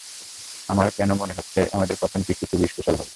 আমার কেনো মনে হচ্ছে আমাদের প্রথম কিসটি খুব স্পেশাল হবে?